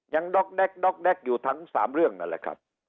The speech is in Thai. ยังด๊อกแด๊กอยู่ทั้ง๓เรื่องนั่นแหละครับ